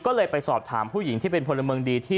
ก็เลยไปสอบถามผู้หญิงที่เป็นผลบรมดี